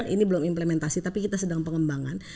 ini belum implementasi tapi kita sedang pengembangan